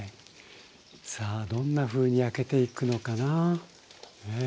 さあどんなふうに焼けていくのかな？